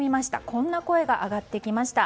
こんな声が上がってきました。